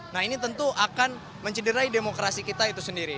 nah ini tentu akan mencederai demokrasi kita itu sendiri